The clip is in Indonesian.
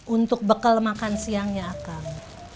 untuk bekal makan siangnya akan